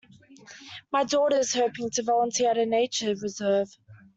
My daughter is hoping to volunteer at a nature reserve.